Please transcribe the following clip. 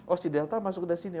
oh si delta masuk dari sini